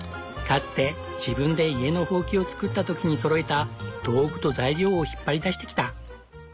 かつて自分で家のホウキを作った時にそろえた道具と材料を引っ張り出してきた。